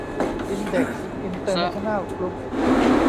อินเด็กซ์ อินเตอร์เนชั่นแนล กรุ๊ป